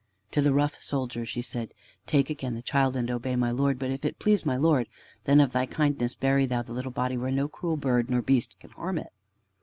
To the rough soldier she said: "Take again the child and obey my Lord. But if it please my Lord, then of thy kindness bury thou the little body where no cruel bird nor beast can harm it!"